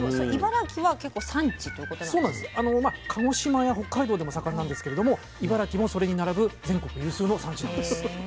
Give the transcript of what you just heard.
鹿児島や北海道でも盛んなんですけれども茨城もそれに並ぶ全国有数の産地なんです。